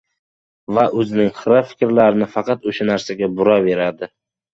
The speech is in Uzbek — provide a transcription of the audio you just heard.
va o‘zining xira fikrlarini faqat o‘sha narsaga buraveradi.